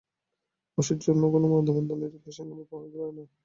ঐশ্বর্য বা অন্য কোন বন্ধন মানবাত্মাকে এরূপ শৃঙ্খলিত করিতে পারে না।